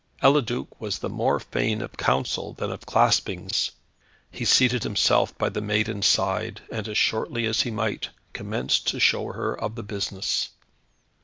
Eliduc was the more fain of counsel than of claspings. He seated himself by the maiden's side, and as shortly as he might, commenced to show her of the business.